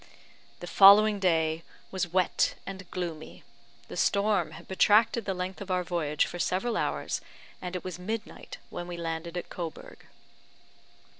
The following day was wet and gloomy. The storm had protracted the length of our voyage for several hours, and it was midnight when we landed at Cobourg.